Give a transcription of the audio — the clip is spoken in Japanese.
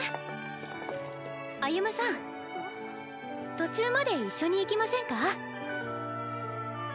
途中まで一緒に行きませんか？